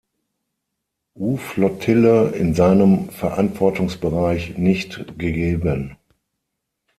U-Flottille, in seinem Verantwortungsbereich nicht gegeben.